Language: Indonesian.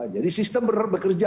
jadi sistem bekerja